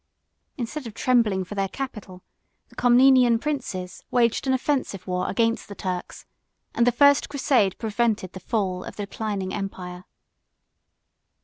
7 Instead of trembling for their capital, the Comnenian princes waged an offensive war against the Turks, and the first crusade prevented the fall of the declining empire.